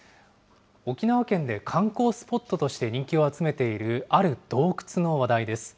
沖縄県で観光スポットとして人気を集めているある洞窟の話題です。